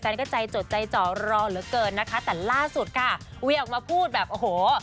ก็ใจจดใจจ่อรอเหลือเกินนะคะแต่ล่าสุดค่ะเวียออกมาพูดแบบโอ้โห